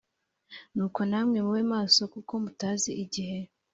nuko namwe mube maso kuko mutazi igihe